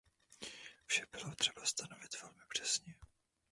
Vše bylo třeba stanovit velmi přesně.